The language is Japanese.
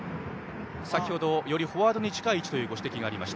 先ほど、よりフォワードに近い位置というご指摘がありました。